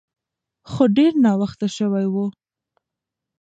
خو ډیر ناوخته شوی و.